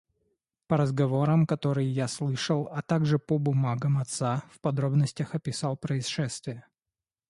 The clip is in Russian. По разговорам, которые я слышал, а также по бумагам отца, в подробностях описал происшествие.